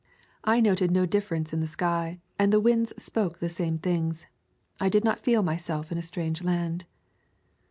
I noted no difference in the sky, and the winds spoke the same things. I did not feel myself in a strange land.